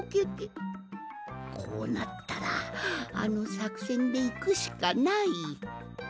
こうなったらあのさくせんでいくしかない！